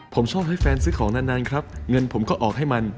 ผมชอบให้แฟนซื้อของนานครับเงินผมก็ออกให้มัน